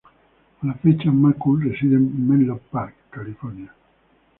A la fecha McCool reside en Menlo Park, California.